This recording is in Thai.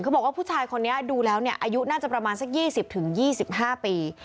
เขาบอกว่าผู้ชายคนนี้ดูแล้วเนี่ยอายุน่าจะประมาณสักยี่สิบถึงยี่สิบห้าปี